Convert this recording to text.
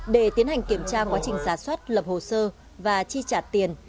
để tiến hành kiểm tra quá trình giả soát lập hồ sơ và chi trả tiền